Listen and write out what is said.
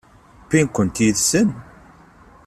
Wwin-kent yid-sen?